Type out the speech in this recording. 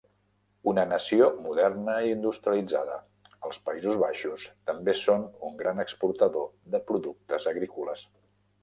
Una nació moderna i industrialitzada, els Països Baixos també són un gran exportador de productes agrícoles.